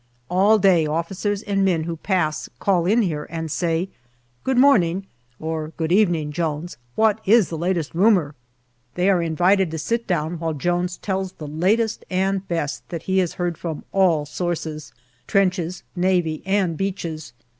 All day officers and men who pass call in here and say, " Good morning [or good evening], Jones ; what is the latest rumour ?" They are invited to sit down while Jones tells the latest and best that he had heard from all sources trenches, Navy, and beaches.